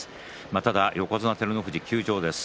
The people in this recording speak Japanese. ただ、横綱照ノ富士が休場です。